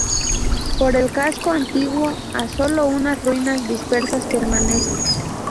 Por el casco antiguo, a sólo unas ruinas dispersas permanecen.